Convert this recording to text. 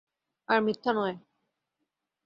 আর মিথ্যা নয়।